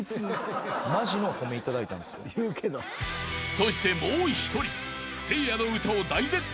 ［そしてもう１人］